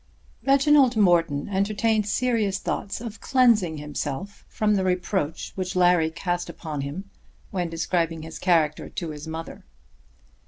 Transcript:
Reginald Morton entertained serious thoughts of cleansing himself from the reproach which Larry cast upon him when describing his character to his mother.